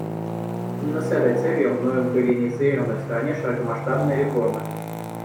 Именно с этой целью мною были инициированы в стране широкомасштабные реформы.